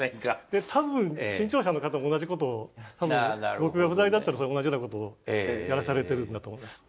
で多分新潮社の方も同じことを多分僕が不在だったら同じようなことをやらされてるんだと思います。